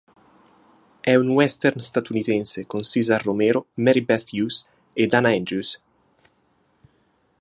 È un western statunitense con Cesar Romero, Mary Beth Hughes e Dana Andrews.